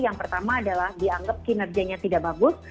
yang pertama adalah dianggap kinerjanya tidak bagus